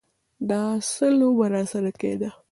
دا څه لوبه راسره کېده.